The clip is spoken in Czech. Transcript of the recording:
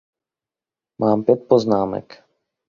Mám pět poznámek.